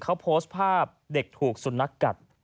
เขาโพสต์ภาพเด็กถูกสุนัขกัด